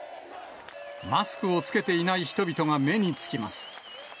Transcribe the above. マスクを着けていない人々が目につきます。